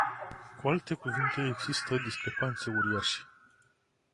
Cu alte cuvinte, există discrepanțe uriașe.